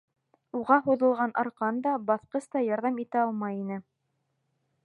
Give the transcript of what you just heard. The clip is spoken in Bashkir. Уға һуҙылған арҡан да, баҫҡыс та ярҙам итә алмай ине.